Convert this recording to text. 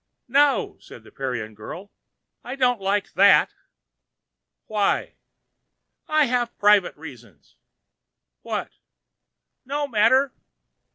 "No," said the Parian girl, "I don't like that." "Why?" "I have private reasons." "What?" "No matter."